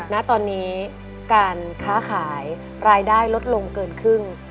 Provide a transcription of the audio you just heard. ณตอนนี้การค้าขายรายได้ลดลงเกินครึ่ง